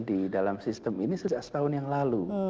di dalam sistem ini sejak setahun yang lalu